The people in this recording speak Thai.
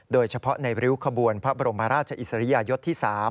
โดยเฉพาะในริ้วขบวนพระบรมราชอิสริยยศที่๓